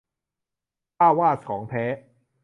ป้าวาสของแท้